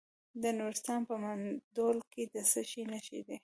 د نورستان په مندول کې د څه شي نښې دي؟